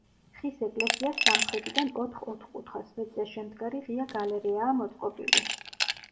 ხის ეკლესიას სამხრეთიდან ოთხ ოთკუთხა სვეტზე შემდგარი ღია გალერეაა მოწყობილი.